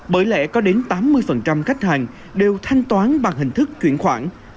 bởi lẽ có đến tám mươi khách hàng đều thanh toán bằng hình thức chuyển khoản